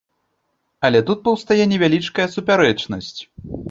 Але тут паўстае невялічкая супярэчнасць.